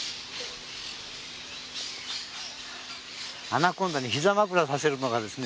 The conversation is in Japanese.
アナコンダに膝枕させるのがですね